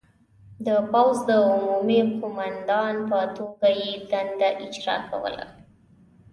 د پوځ د عمومي قوماندان په توګه یې دنده اجرا کوله.